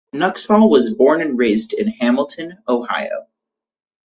Nuxhall was born and raised in Hamilton, Ohio.